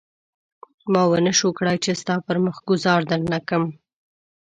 ما ونه شول کړای چې ستا پر مخ ګوزار درنه کړم.